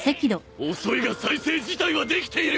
遅いが再生自体はできている！